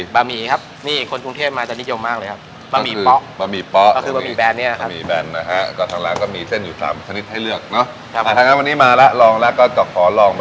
ะหมี่ครับนี่คนกรุงเทพมาจะนิยมมากเลยครับ